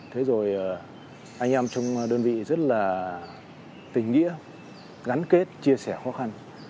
thế rồi anh em trong đơn vị rất là tình nghĩa gắn kết chia sẻ khó khăn